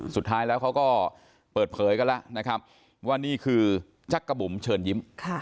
สุดท้ายแล้วเขาก็เปิดเผยกันแล้วนะครับว่านี่คือจักรบุ๋มเชิญยิ้ม